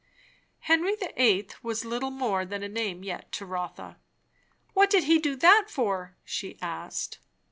Henry the Eighth was little more than a name yet to Rotha. "What did he do that for?" she asked.